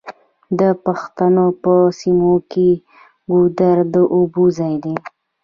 د پښتنو په سیمو کې ګودر د اوبو ځای دی.